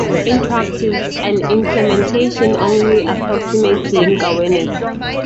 In practice, an implementation only approximates link awareness.